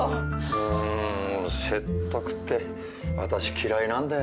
うん説得って私嫌いなんだよね。